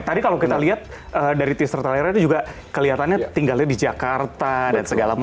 tadi kalau kita lihat dari tister talernya itu juga kelihatannya tinggalnya di jakarta dan segala macam